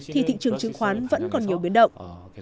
thì thị trường chứng khoán vẫn còn nhiều biến động